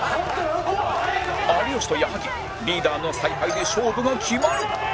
有吉と矢作リーダーの采配で勝負が決まる